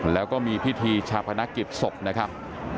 แล้วก็มีพิธีชาพนักกิจศพนะครับ